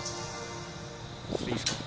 いいですか？